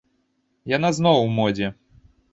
Яна зноў у модзе.